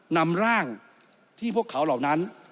นำร่างที่พวกเขาเหล่านั้น